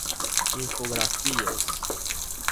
Infografías